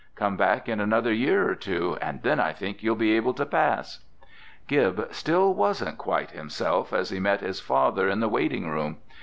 Come back in another year or two and then I think you'll be able to pass." Gib still wasn't quite himself as he met his father in the waiting room.